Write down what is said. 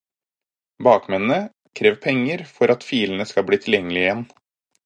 Bakmennene krever penger for at filene skal bli tilgjengelige igjen.